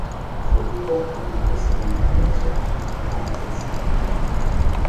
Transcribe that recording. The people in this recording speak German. Für Riga kam er bis Saisonende zu acht Einsätzen.